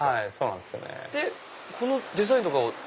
でこのデザインとかは。